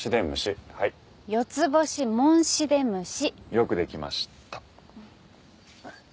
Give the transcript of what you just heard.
よくできました。